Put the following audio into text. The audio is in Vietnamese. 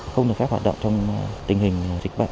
không được phép hoạt động trong tình hình dịch bệnh